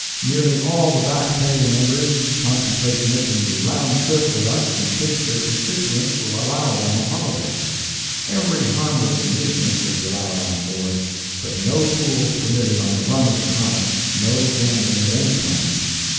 Nearly all the back pay members contemplate making the round trip with us in case their constituents will allow them a holiday. Every harmless amusement will be allowed on board, but no pools permitted on the run of the comet no gambling of any kind.